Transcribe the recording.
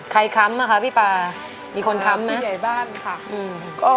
ใครค้ำค่ะพี่ป่ามีคนค้ำนะพี่ป่าพี่ใหญ่บ้านค่ะ